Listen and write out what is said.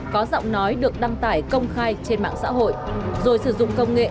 có giọng nói được đăng tải công khai trên mạng xã hội rồi sử dụng công nghệ